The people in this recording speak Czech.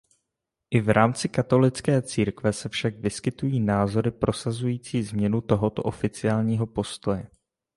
I v rámci katolické církve se však vyskytují názory prosazující změnu tohoto oficiálního postoje.